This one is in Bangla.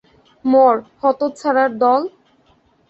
মর, হতচ্ছাড়ার দল!